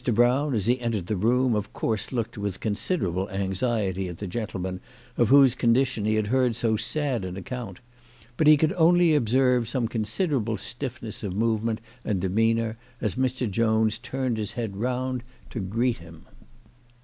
Brown, as he entered the room, of course looked with considerable anxiety at the gentle man of whose condition he had heard so sad an account ; but he could only observe some considerable stiffness of movement and demeanour as Mr. Jones turned his head round to greet him.